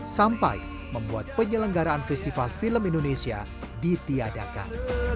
sampai membuat penyelenggaraan festival film indonesia ditiadakan